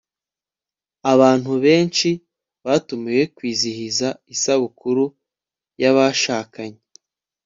abantu benshi batumiwe kwizihiza isabukuru yabashakanye